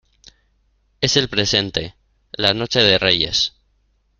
es el presente, la noche de Reyes.